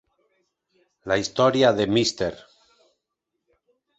La historia de Mr.